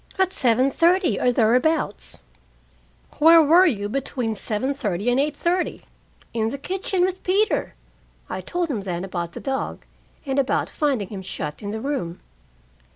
"At seven thirty, or thereabouts." "Where were you between seven thirty and eight thirty?" "In the kitchen with Peter." I told him then about the dog, and about finding him shut in the room.